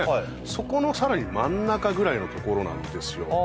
そこのさらに真ん中ぐらいの所なんですよ